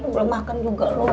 belum makan juga loh